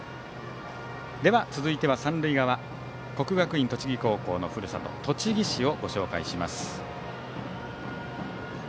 では続いては三塁側国学院栃木高校のふるさと栃木市をご紹介します。